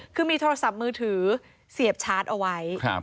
คือมีโทรศัพท์มือถือเสียบชาร์จเอาไว้